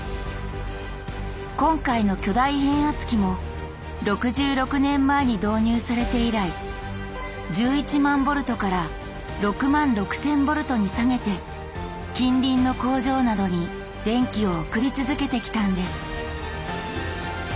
今回の巨大変圧器も６６年前に導入されて以来１１万ボルトから６万６，０００ボルトに下げて近隣の工場などに電気を送り続けてきたんです。